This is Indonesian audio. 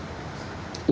berusaha untuk ambil